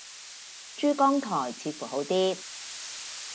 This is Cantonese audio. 珠江台似乎好啲